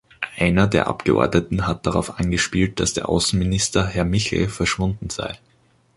Einer der Abgeordneten hat darauf angespielt, dass der Außenminister, Herr Michel, verschwunden sei.